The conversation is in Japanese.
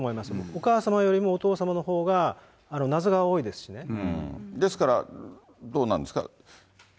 お母様よりもお父様のほうが謎がですからどうなんですか。